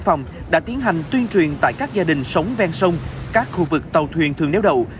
hội hợp với bộ đội biên phòng đã tiến hành tuyên truyền tại các gia đình sống ven sông các khu vực tàu thuyền thường néo đầu